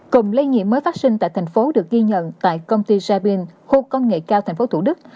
cùng lây nhiễm mới phát sinh tại thành phố được ghi nhận tại công ty sabin khu công nghệ cao thành phố thủ đức